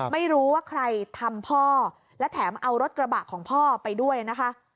ไม่รู้ว่าใครทำพ่อและแถมเอารถกระบะของพ่อไปด้วยนะคะ